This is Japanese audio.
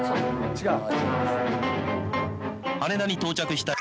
「違う。